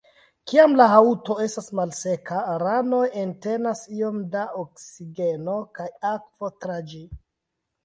Kiam la haŭto estas malseka, ranoj entenas iom da oksigeno kaj akvo tra ĝi.